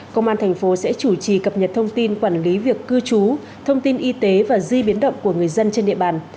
công an thành phố sẽ chủ trì cập nhật thông tin quản lý việc cư trú thông tin y tế và di biến động của người dân trên địa bàn